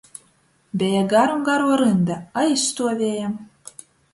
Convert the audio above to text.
Beja garum garuo rynda, a izstuoviejom.